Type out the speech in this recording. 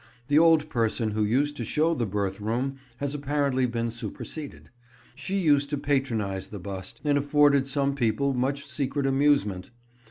The old person who used to show the birth room has apparently been superseded. She used to patronise the bust, and afforded some people much secret amusement.